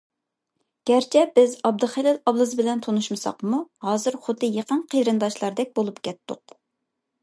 گەرچە بىز ئابدۇخېلىل ئابلىز بىلەن تونۇشمىساقمۇ، ھازىر خۇددى يېقىن قېرىنداشلاردەك بولۇپ كەتتۇق.